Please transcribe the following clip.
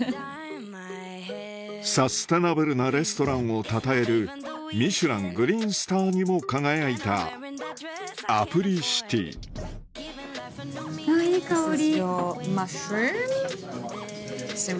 サステナブルなレストランをたたえるミシュラングリーンスターにも輝いたいい香り！